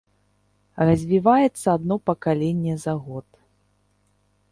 Развіваецца адно пакаленне за год.